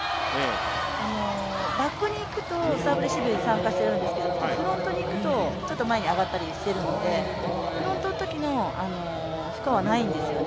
バックにいくとサーブレシーブに参加してるんですけどフロントにいくとちょっと前に上がったりしているのでフロントのときの負荷はないんですよね。